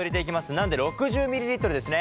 なので６０ミリリットルですね。